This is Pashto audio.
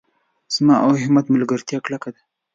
زما او احمد ملګرتیا کلکه ده.